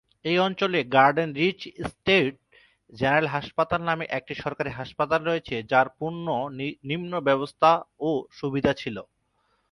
এই অঞ্চলে Garden Reach State General হাসপাতাল নামে একটি সরকারী হাসপাতাল রয়েছে যার পূর্বে নিম্ন ব্যবস্থা ও সুবিধা ছিল।